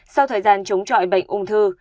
sau thời gian chống trọi bệnh ung thư